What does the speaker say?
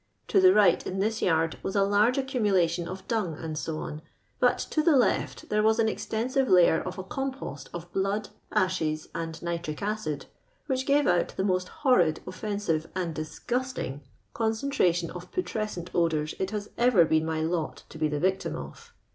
To the right in this yard was a large accumulation of dung, &c., but to the left there was an extensive layer of a compost of blood, ashes, and nitric acid, which gave out the most horrid, offensive, and disgusting con centration of putrescent odours it has ever been my lot to be the victim of.